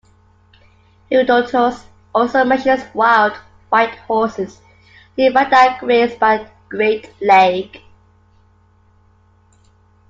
Herodotus also mentions wild white horses nearby that grazed by a great lake.